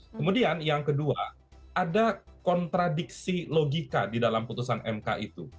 kemudian yang kedua ada kontradiksi logika di dalam putusan mk itu